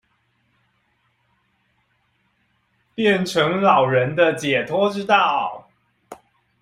變成老人的解脫之道